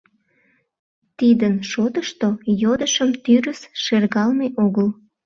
Тидын шотышто йодышым тӱрыс шергалме огыл.